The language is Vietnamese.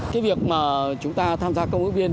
cái việc mà chúng ta tham gia công ước viên